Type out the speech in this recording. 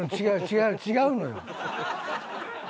違う違う違うのよ。